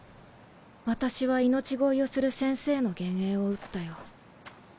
私は命乞いをする師匠の幻影を撃ったよ。